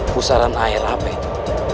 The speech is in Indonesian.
pusaran air apa itu